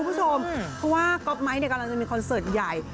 เพราะว่าก็มีคอนเซิร์ตใหญ่